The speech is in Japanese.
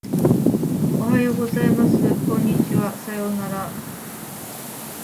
おはようございます。こんにちは。さようなら。